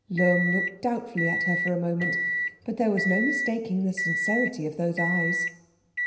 Lohm looked doubtfully at her for a moment; but there was no mistaking the sincerity of those eyes.